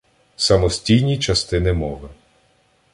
Самостійні частини мови